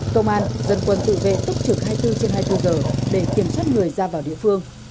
công an dân quân tự vệ túc trực hai mươi bốn trên hai mươi bốn giờ để kiểm soát người ra vào địa phương